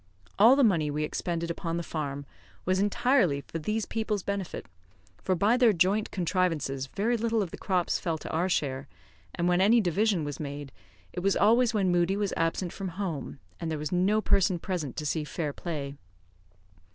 All the money we expended upon the farm was entirely for these people's benefit, for by their joint contrivances very little of the crops fell to our share; and when any division was made, it was always when Moodie was absent from home; and there was no person present to see fair play.